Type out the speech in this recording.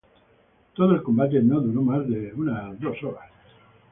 Todo el combate no duró más de unas dos horas.